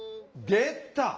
出た！